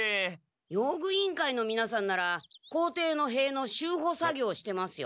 用具委員会のみなさんなら校庭のへいの修補作業してますよ。